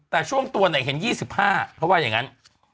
แต่ช่วงตัวเห็น๒๕เพราะว่าอย่างนั้น